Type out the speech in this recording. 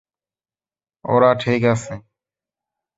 ওরা ঠিক আছে।